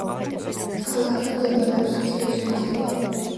ქალაქთან მდებარეობს მცირე ზომის ტბა.